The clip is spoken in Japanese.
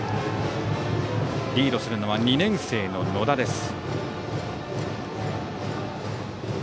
リードするのは２年生の野田です。